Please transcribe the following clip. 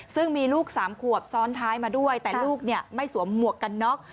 ซึ่งมีลูก๓ขวบซ้อนท้ายมาด้วยแต่ลูกไม่สวมหมวกกันน็อก